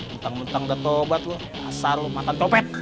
untung untung udah tobat lu asal lu mantan copet